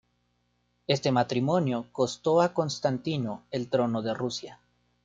Este matrimonio costó a Constantino el trono de Rusia.